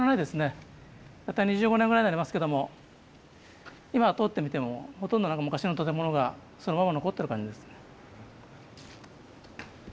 大体２５年ぐらいになりますけども今通ってみてもほとんど昔の建物がそのまま残ってる感じですね。